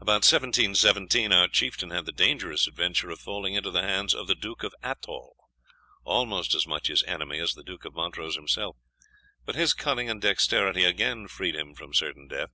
About 1717, our Chieftain had the dangerous adventure of falling into the hands of the Duke of Athole, almost as much his enemy as the Duke of Montrose himself; but his cunning and dexterity again freed him from certain death.